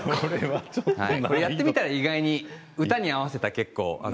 やってみたら歌に合わせたら結構。